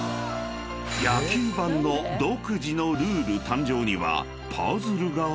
［野球盤の独自のルール誕生には］